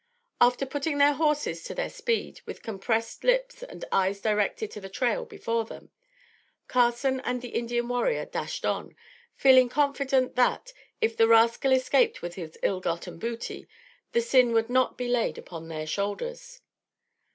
Again putting their horses to their speed, with compressed lips and eyes directed to the trail before them, Carson and the Indian warrior dashed on, feeling confident, that, if the rascal escaped with his ill gotten booty, the sin would not be laid upon their shoulders.